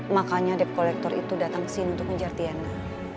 makanya depkolektor itu datang kesini untuk menjar tiana